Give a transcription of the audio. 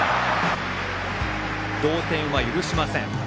同点は許しません。